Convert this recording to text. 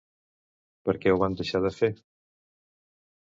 Per què ho van deixar de fer?